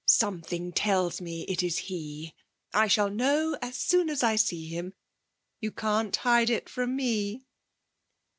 Something tells me it is he. I shall know as soon as I see him. You can't hide it from me!'